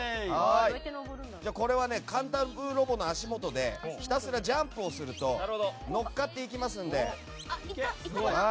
これはカンタムロボの足元でひたすらジャンプをすると乗っかっていきますんで。